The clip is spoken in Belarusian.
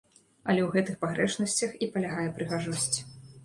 Але ў гэтых пагрэшнасцях і палягае прыгажосць.